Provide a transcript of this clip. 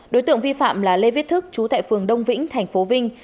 đối tượng vi phạm là lê viết thức chú tại phường đông vĩnh tp vinh